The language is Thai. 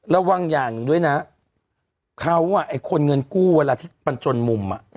ระวังอย่างหนึ่งด้วยนะเขาไอ้คนเงินกู้เวลาที่มันจนมุม